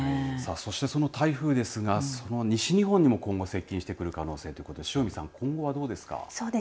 そして、その台風ですが西日本にも今後接近してくる可能性ということで塩見さん、今後どうですか。